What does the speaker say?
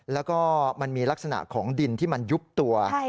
แล้วก็มันมีลักษณะของดินที่มันยุบตัว